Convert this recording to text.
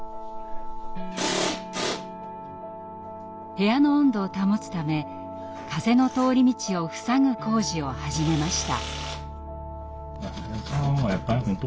部屋の温度を保つため風の通り道を塞ぐ工事を始めました。